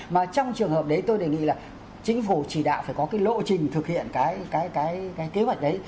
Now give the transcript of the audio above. mà trong trường hợp đấy tôi đề nghị là chính phủ chỉ đạo phải có cái lộ trình thực hiện cái kế hoạch đấy